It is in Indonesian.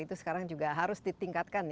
itu sekarang juga harus ditingkatkan